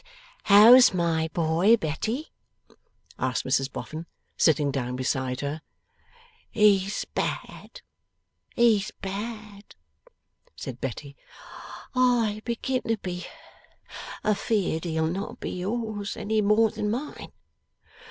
'And how's my boy, Betty?' asked Mrs Boffin, sitting down beside her. 'He's bad! He's bad!' said Betty. 'I begin to be afeerd he'll not be yours any more than mine.